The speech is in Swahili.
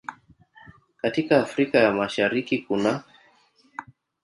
Katika Afrika ya Mashariki kunaː